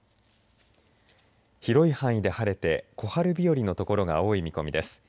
広い範囲で晴れて小春日和の所が多い見込みです。